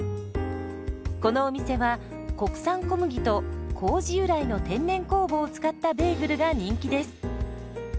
このお店は国産小麦と麹由来の天然酵母を使ったベーグルが人気です。